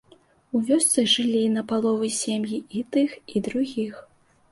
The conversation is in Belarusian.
У вёсцы жылі напалову сем'і і тых, і другіх.